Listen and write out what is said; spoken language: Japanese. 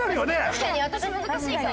確かに私難しいかも。